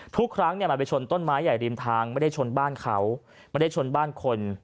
ทุกครั้งเนี่ยมันไปชนต้นไม้ใหญ่ริมทางไม่ได้ชนบ้านเขาไม่ได้ชนบ้านคน